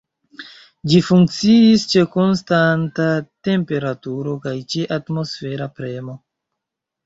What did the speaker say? Ĝi funkciis ĉe konstanta temperaturo, kaj ĉe atmosfera premo.